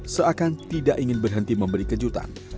seakan tidak ingin berhenti memberi kejutan